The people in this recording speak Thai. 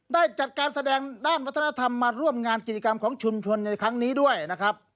ได้จัดการแสดงด้านวัฒนธรรมมาร่วมงานกิจกรรมของชุมชนในครั้งนี้ด้วยนะครับ